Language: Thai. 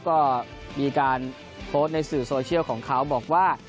ก็มีการโพสต์ในสื่อโซเชียลของเขาบอกว่า